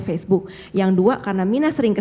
facebook yang dua karena mirna sering ke